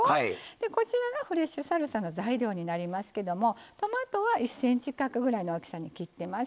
こちらがフレッシュサルサの材料になりますけれどもトマトは１ｃｍ角くらいの大きさに切っています。